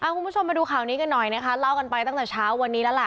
คุณผู้ชมดูคะวนี้กันหน่อยเลากันไปตั้งแต่เช้าวันนี้แล้ว